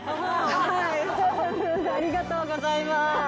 ありがとうございます。